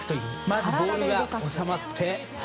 まずボールが収まって。